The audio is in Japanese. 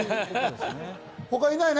他いないね？